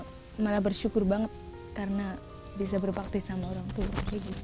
sari itu ya malah bersyukur banget karena bisa berbakti sama orang tua